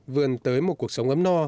vươn tới một cuộc sống ấm no